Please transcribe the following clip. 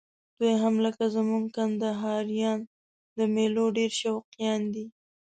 دوی هم لکه زموږ کندهاریان د میلو ډېر شوقیان دي.